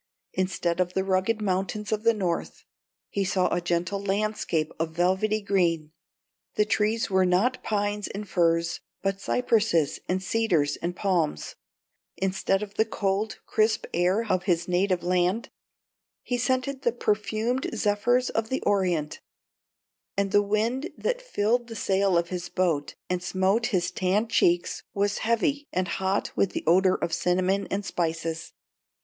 Instead of the rugged mountains of the North, he saw a gentle landscape of velvety green; the trees were not pines and firs, but cypresses, cedars, and palms; instead of the cold, crisp air of his native land, he scented the perfumed zephyrs of the Orient; and the wind that filled the sail of his boat and smote his tanned cheeks was heavy and hot with the odor of cinnamon and spices.